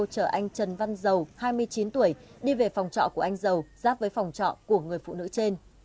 chở anh trần văn dầu hai mươi chín tuổi đi về phòng trọ của anh dầu giáp với phòng trọ của người phụ nữ trên